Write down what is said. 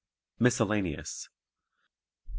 Miscellaneous 9.